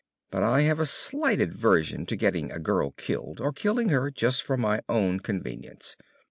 But I have a slight aversion to getting a girl killed or killing her just for my own convenience.